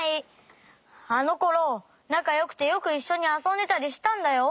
あのころなかよくてよくいっしょにあそんでたりしたんだよ。